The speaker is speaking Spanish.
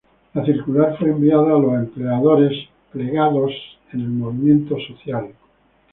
La circular fue enviada a los empleadores plegados en el movimiento social.